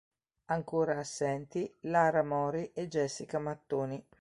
Ancora assenti Lara Mori e Jessica Mattoni.